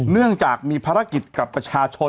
เนื่องจากมีภารกิจกับประชาชน